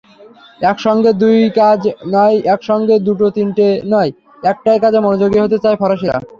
একসঙ্গে দুই কাজ নয়একসঙ্গে দুটো-তিনটে নয়, একটাই কাজে মনোযোগী হতে চায় ফরাসিরা।